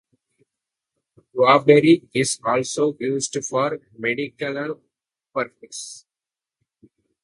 Guavaberry is also used for medicinal purposes.